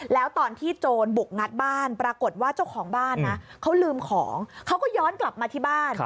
แล้วตอนที่โจรบุกงัดบ้านปรากฏว่าเจ้าของบ้านนะเขาลืมของเขาก็ย้อนกลับมาที่บ้าน